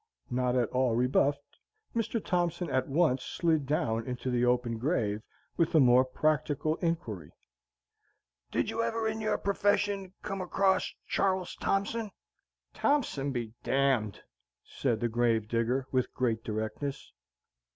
Not at all rebuffed, Mr. Thompson at once slid down into the open grave, with a more practical inquiry, "Did you ever, in your profession, come across Char les Thompson?" "Thompson be d d!" said the grave digger, with great directness.